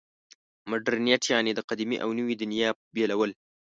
مډرنیت یعنې د قدیمې او نوې دنیا بېلول.